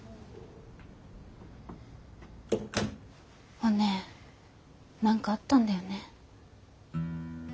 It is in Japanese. おねぇ何かあったんだよね。